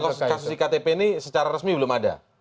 tapi kalau yang kasus iktp ini secara resmi belum ada